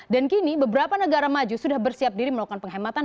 dan kini beberapa negara maju sudah bersiap diri melakukan penghematan